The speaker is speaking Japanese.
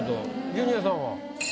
ジュニアさんは？